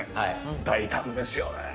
大胆ですよねえ